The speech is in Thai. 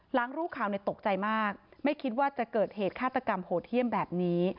หลังรู้ข่าวในตกใจมากไม่คิดว่าจะเกิดเหตุฆาตกรรมโหดเยี่ยมแบบนี้